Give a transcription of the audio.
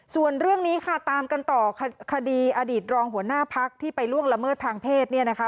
ส่วนเรื่องนี้ค่ะตามกันต่อคดีอดีตรองหัวหน้าพักที่ไปล่วงละเมิดทางเพศเนี่ยนะคะ